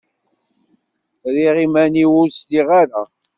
Rriɣ iman-iw ur sliɣ ara.